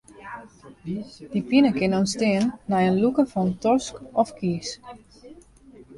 Dy pine kin ûntstean nei it lûken fan in tosk of kies.